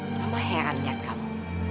mama heran lihat kamu